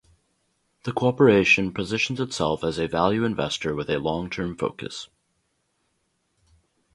The corporation positions itself as a value investor with a long-term focus.